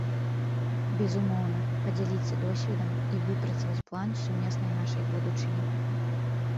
Безумоўна, падзяліцца досведам і выпрацаваць план сумеснай нашай будучыні.